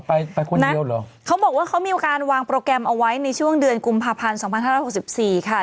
ไปไปคนเดียวเหรอเขาบอกว่าเขามีการวางโปรแกรมเอาไว้ในช่วงเดือนกุมภาพันธ์สองพันห้าร้อยหกสิบสี่ค่ะ